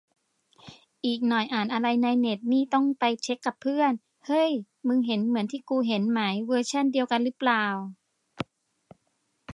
อีกหน่อยอ่านอะไรในเน็ตนี่ต้องไปเช็คกับเพื่อน เฮ้ย มึงเห็นเหมือนที่กูเห็นไหม เวอร์ชันเดียวกันรึเปล่า